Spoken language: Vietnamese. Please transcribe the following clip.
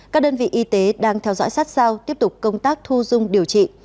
các đơn vị y tế đang theo dõi sát sao tiếp tục công tác thu dung điều trị